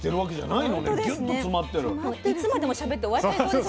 いつまでもしゃべって終わっちゃいそうです